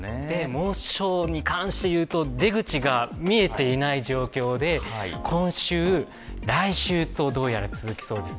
猛暑に関していうと、出口が見えていない状況で今週、来週とどうやら続きそうです。